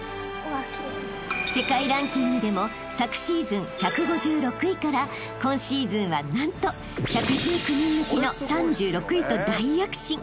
［世界ランキングでも昨シーズン１５６位から今シーズンは何と１１９人抜きの３６位と大躍進！］